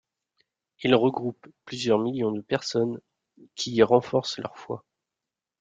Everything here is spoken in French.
Il regroupe plusieurs millions de personnes qui y renforcent leur foi.